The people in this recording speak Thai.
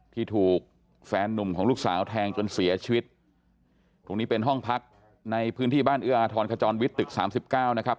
ที่ถูกแฟนนุ่มของลูกสาวแทงจนเสียชีวิตตรงนี้เป็นห้องพักในพื้นที่บ้านเอื้ออาทรขจรวิทย์ตึกสามสิบเก้านะครับ